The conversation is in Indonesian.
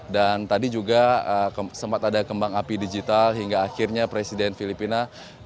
dan tadi juga sempat ada kembang api digital hingga akhirnya presiden filipina